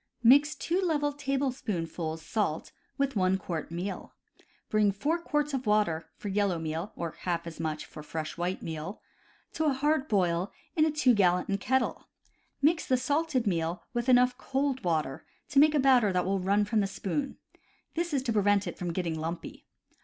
— Mix 2 level tablespoonfuls salt with 1 quart meal. Bring 4 quarts of water (for yellow meal, or half as much for fresh white meal) to a hard boil in a 2 gallon kettle. Mix the salted meal with enough cold water to make a batter that will run from the spoon; this is to prevent it from getting lumpy.